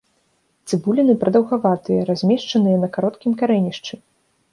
Цыбуліны прадаўгаватыя, размешчаныя на кароткім карэнішчы.